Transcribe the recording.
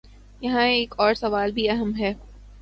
یہاں ایک اور سوال بھی اہم ہے۔